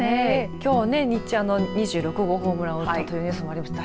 きょう日中２６号ホームランを打ったニュースもありました。